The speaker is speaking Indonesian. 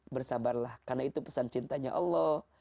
bersabarlah karena itu pesan cintanya allah